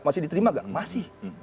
masih diterima nggak masih